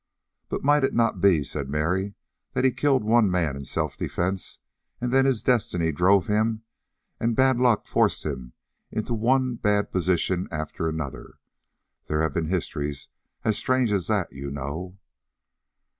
"But might it not be," said Mary, "that he killed one man in self defense and then his destiny drove him, and bad luck forced him into one bad position after another? There have been histories as strange as that, you know."